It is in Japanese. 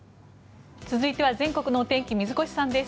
続いては全国の天気水越さんです。